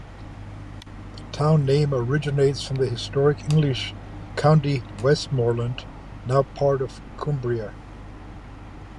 The town name originates from the historic English county "Westmorland", now part of Cumbria.